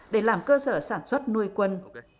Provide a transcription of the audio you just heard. để làm cơ sở sản xuất nuôi quân